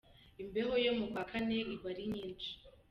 Imbeho yo mu kwa kane iba ari nyinshi!